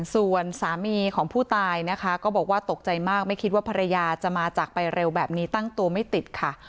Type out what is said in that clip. ส่วนสามีของผู้ตายนะคะก็บอกว่าตกใจมากไม่คิดว่าภรรยาจะมาจากไปเร็วแบบนี้ตั้งตัวไม่ติดค่ะ